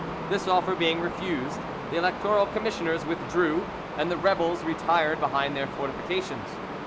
This offer being refused, the electoral commissioners withdrew, and the rebels retired behind their fortifications.